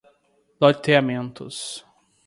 loteamentos